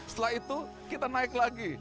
setelah itu kita naik lagi